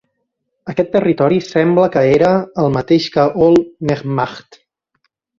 Aquest territori sembla que era el mateix que Ol nEchmacht.